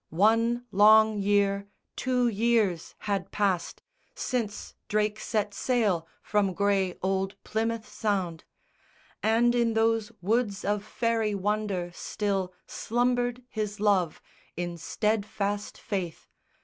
One long year, two years had passed Since Drake set sail from grey old Plymouth Sound; And in those woods of faery wonder still Slumbered his love in steadfast faith.